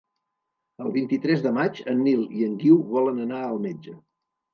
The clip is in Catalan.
El vint-i-tres de maig en Nil i en Guiu volen anar al metge.